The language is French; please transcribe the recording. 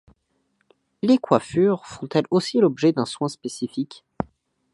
Les coiffures font elles aussi l'objet d'un soin spécifique.